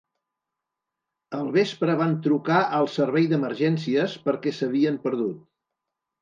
Al vespre van trucar al servei d’emergències perquè s’havien perdut.